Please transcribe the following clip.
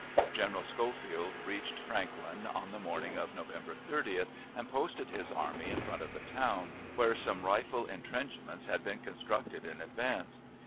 General Schofield reached Franklin on the morning of November 30th, and posted his army in front of the town, where some rifle intrenchments had been constructed in advance.